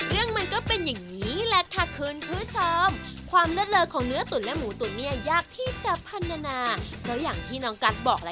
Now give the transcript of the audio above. เอาเลย๑ที่เดี๋ยวพี่ไปรอ